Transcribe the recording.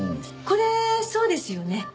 これそうですよね？